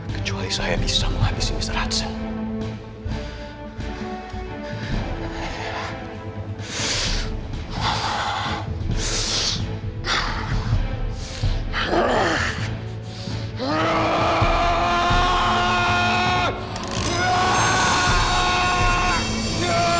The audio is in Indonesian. kecuali saya bisa menghabisi misal ratsen